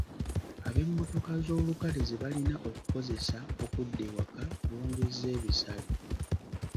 Ab’emmotoka z’olukale ze balina okukozesa okudda ewaka bongezza ebisale.